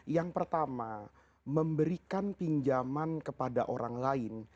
yang pertama memberikan pinjaman kepada orang lain